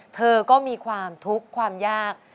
เธอก็มีความทุกข์ความยาก